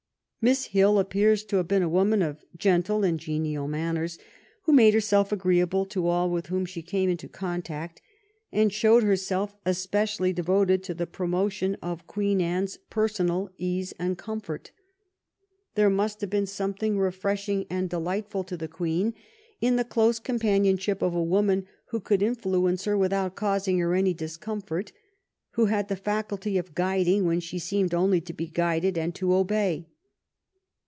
Miss Hill appears to have been a woman of gentle and genial manners, who made herself agreeable to all with whom she came into contact, and showed her self especially devoted to the promotion of Queen Anne's personal ease and comfort. There must have been something refreshing and delightful to the Queen in the close companionship of a woman who could in fluence her without causing her any discomfort, who had the faculty of guiding, when she seemed only to be guided and to obey.